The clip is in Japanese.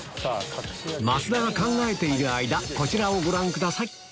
増田が考えている間こちらをご覧ください